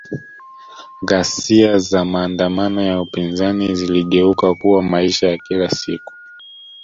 Ghasia za maandamano ya upinzani ziligeuka kuwa maisha ya kila siku